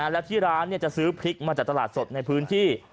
แล้วที่ร้านจะซื้อพริกมาจากตลาดสดในพื้นที่